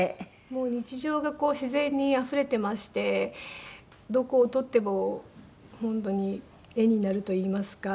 日常が自然にあふれていましてどこを撮っても本当に絵になるといいますか。